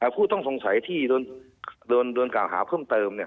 ผู้ต้องสงสัยที่โดนกล่าวหาเพิ่มเติม